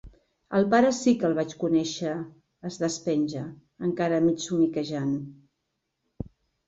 Al pare sí que el vaig conèixer —es despenja, encara mig somiquejant—.